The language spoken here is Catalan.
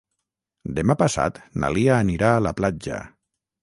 Demà passat na Lia anirà a la platja.